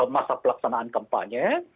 masa pelaksanaan kampanye